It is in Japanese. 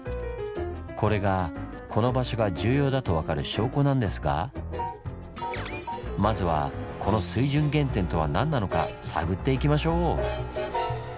これがこの場所が重要だと分かる証拠なんですがまずはこの「水準原点」とは何なのか探っていきましょう！